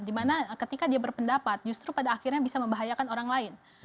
dimana ketika dia berpendapat justru pada akhirnya bisa membahayakan orang lain